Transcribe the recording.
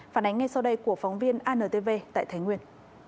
phản ánh ngay sau đây của phóng viên antv tại thái nguyên